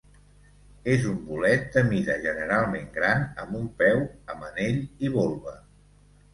És un bolet de mida generalment gran amb un peu amb anell i volva.